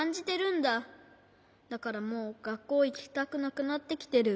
だからもうがっこういきたくなくなってきてる。